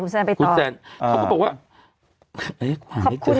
ใช่คุณแซนไปตอบ